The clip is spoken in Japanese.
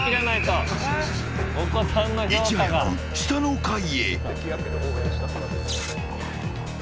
いち早く下の階へ。